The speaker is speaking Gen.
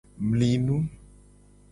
Mli nu.